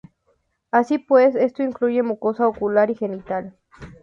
Así pues, esto incluye mucosa ocular y genital.